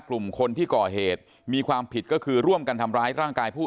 กลุ่มคนที่ก่อเหตุมีความผิดก็คือร่วมกันทำร้ายร่างกายผู้